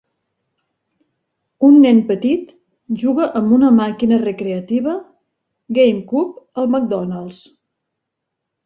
Un nen petit juga amb una màquina recreativa GameCube al McDonald's.